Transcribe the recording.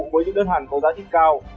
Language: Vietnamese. với những đơn hàng có giá trị cao